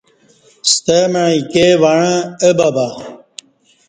ستمع ایکے وعݩع اہ بَبہ